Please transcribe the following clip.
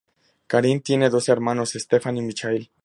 Karin tiene dos hermanos Stefan y Michael.